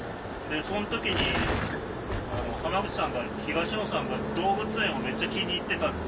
その時に濱口さんが「東野さんが動物園をめっちゃ気に入ってた」って。